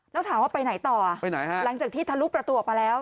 แล้วถามว่าไปไหนต่อไปไหนฮะหลังจากที่ทะลุประตูออกมาแล้ว